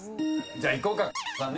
じゃあいこうか。